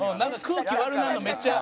空気悪なるのめっちゃ。